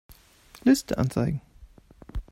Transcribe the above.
Liste anzeigen.